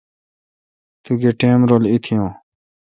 تو گہ ٹیم اؘ ایتیون۔